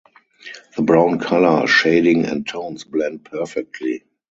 The brown color shading and tones blend perfectly.